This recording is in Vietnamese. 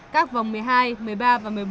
các vòng một mươi hai một mươi ba và một mươi bốn